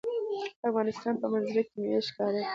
د افغانستان په منظره کې مېوې ښکاره ده.